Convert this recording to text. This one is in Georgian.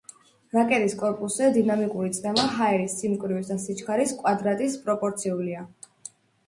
რაკეტის კორპუსზე დინამიკური წნევა ჰაერის სიმკვრივის და სიჩქარის კვადრატის პროპორციულია.